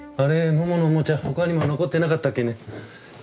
モモのおもちゃ他にも残ってなかったっけね。